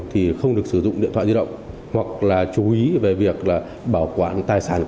thì không được sử dụng điện thoại di động hoặc là chú ý về việc là bảo quản tài sản